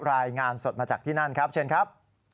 รายงานสดมาจากที่นั่นครับเชิญครับ